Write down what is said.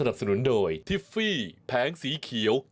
มค